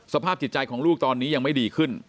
สภาพจิตใจของลูกตอนนี้ยังไม่ดีขึ้น